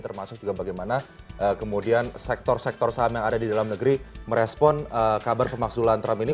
termasuk juga bagaimana kemudian sektor sektor saham yang ada di dalam negeri merespon kabar pemaksulan trump ini